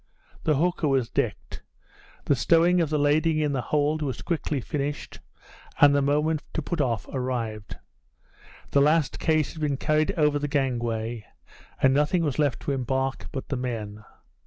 The hooker was decked. The stowing of the lading in the hold was quickly finished, and the moment to put off arrived. The last case had been carried over the gangway, and nothing was left to embark but the men.